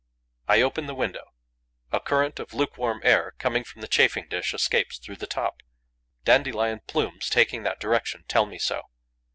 I open the window. A current of lukewarm air, coming from the chafing dish, escapes through the top. Dandelion plumes, taking that direction, tell me so.